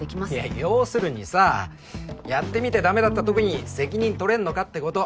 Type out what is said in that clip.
いや要するにさやってみてだめだったときに責任取れんのかってこと。